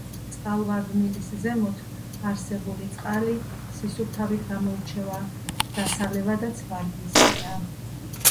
წყალვარდნილის ზემოთ არსებული წყალი სისუფთავით გამოირჩევა, დასალევად ვარგისია.